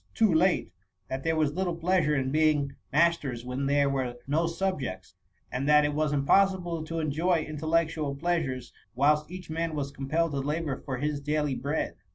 too late, that there was little pleasure in being mas ters when there were no subjects ; and that it was impossible to enjoy intellectual pleasures, whUst each man was compelled to labour for his daily bread.